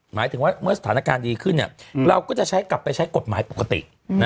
หมายถึงว่าเมื่อสถานการณ์ดีขึ้นเราก็จะใช้กลับไปใช้กฎหมายปกติ